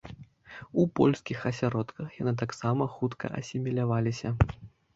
У польскіх асяродках яны таксама хутка асіміляваліся.